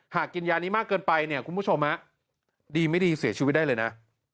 กินยานี้มากเกินไปเนี่ยคุณผู้ชมดีไม่ดีเสียชีวิตได้เลยนะ